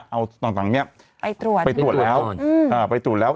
เอาต่างต่างเนี้ยไปตรวจไปตรวจแล้วอืมอ่าไปตรวจแล้ว